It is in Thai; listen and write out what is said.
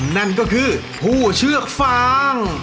นั่นก็คือผู้เชือกฟาง